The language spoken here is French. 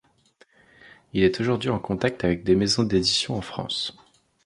Il est aujourd'hui en contact avec des maisons d'édition en France.